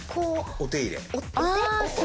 お手入れ。